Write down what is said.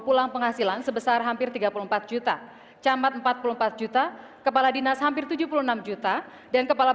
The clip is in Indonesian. pulang penghasilan sebesar hampir tiga puluh empat juta camat empat puluh empat juta kepala dinas hampir tujuh puluh enam juta dan kepala